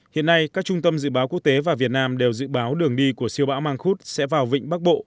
hiện nay các trung tâm dự báo quốc tế và việt nam đều dự báo đường đi của siêu bão mang khúc sẽ vào vịnh bắc bộ